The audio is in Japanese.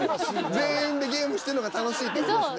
全員でゲームしてんのが楽しいって事ですね。